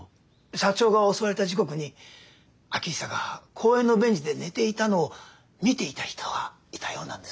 社長が襲われた時刻に秋寿が公園のベンチで寝ていたのを見ていた人がいたようなんです。